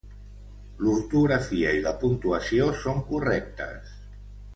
L'ortografia i la puntuació són correctes